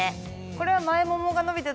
これは。